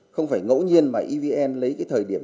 không phải ngẫu nhiên mà evn lấy cái thời điểm